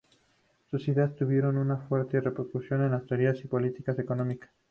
Sus ideas tuvieron una fuerte repercusión en las teorías y políticas económicas.